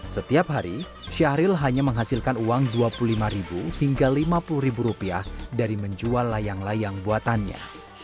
setiap hari syahril hanya menghasilkan uang dua puluh lima hingga rp lima puluh rupiah dari menjual layang layang buatannya